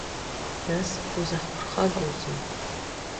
Нас, узаҳԥырхагоузеи?